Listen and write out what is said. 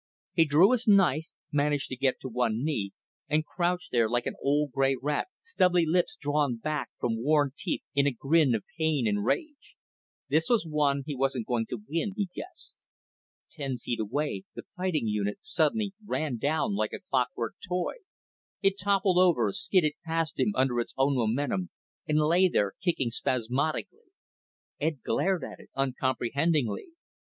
He drew his knife, managed to get to one knee, and crouched there like an old gray rat, stubbly lips drawn back from worn teeth in a grin of pain and rage. This was one he wasn't going to win, he guessed. Ten feet away, the fighting unit suddenly ran down like a clockwork toy. It toppled over, skidded past him under its own momentum, and lay there kicking spasmodically. Ed glared at it uncomprehendingly.